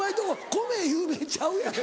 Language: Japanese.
米有名ちゃうやろ？